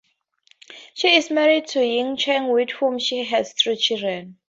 She is married to Yee Chang, with whom she has three children.